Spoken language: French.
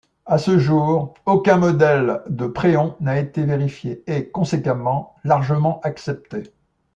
À ce jour, aucun modèle de préon n'a été vérifié et, conséquemment, largement accepté.